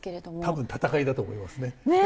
多分戦いだと思いますね。